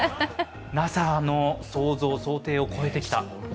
ＮＡＳＡの想像、想定を超えてきた。